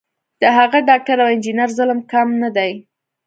د هغه ډاکټر او انجینر ظلم کم نه دی.